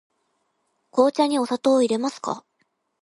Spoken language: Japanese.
紅茶にお砂糖をいれますか。